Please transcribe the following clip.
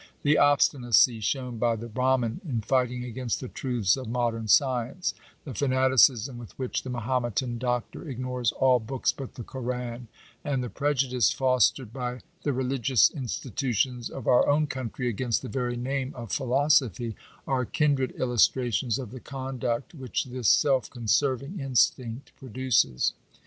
The obstinacy shown by the Brahmin in fighting against the truths of modern science — the fanaticism with which the Mahometan doctor ignores all books but the Koran — and the prejudice fostered by the religious institutions of our own country against the very name of philosophy — are kindred illustrations of the con duct which this self conserving instinct produces.